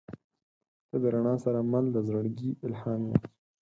• ته د رڼا سره مل د زړګي الهام یې.